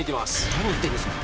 何言ってるんですか